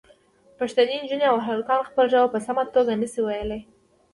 پښتنې نجونې او هلکان خپله ژبه په سمه توګه نه شي ویلی.